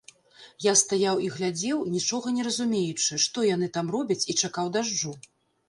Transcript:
Я стаяў і глядзеў, нічога не разумеючы, што яны там робяць, і чакаў дажджу.